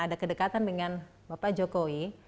ada kedekatan dengan bapak jokowi